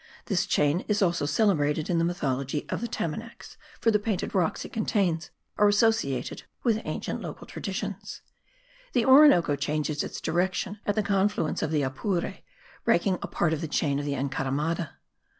This chain is also celebrated in the mythology of the Tamanacs; for the painted rocks it contains are associated with ancient local traditions. The Orinoco changes its direction at the confluence of the Apure, breaking a part of the chain of the Encaramada.